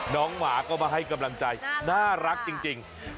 หมาก็มาให้กำลังใจน่ารักจริง